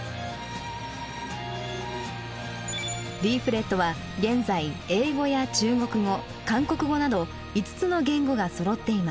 リーフレットは現在英語や中国語韓国語など５つの言語がそろっています。